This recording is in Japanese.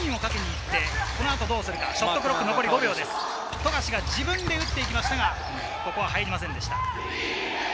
富樫が自分で打ってきましたが、ここは入りませんでした。